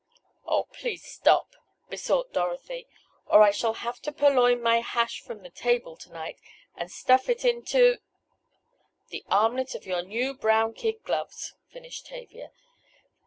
"Oh, please stop!" besought Dorothy, "or I shall have to purloin my hash from the table to night and stuff it into—" "The armlet of your new, brown kid gloves," finished Tavia.